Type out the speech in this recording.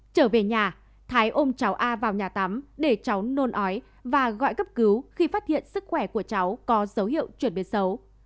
trở về nhà thái ôm cháu a vào nhà tắm để cháu nôn ói và gọi cấp cứu khi phát hiện sức khỏe của cháu có dấu hiệu chuyển biến xấu